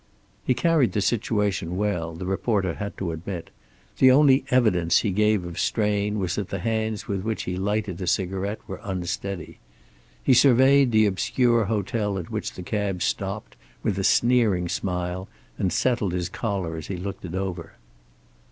He carried the situation well, the reporter had to admit; the only evidence he gave of strain was that the hands with which he lighted a cigarette were unsteady. He surveyed the obscure hotel at which the cab stopped with a sneering smile, and settled his collar as he looked it over.